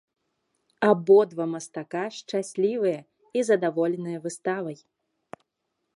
Абодва мастака шчаслівыя і задаволеныя выставай!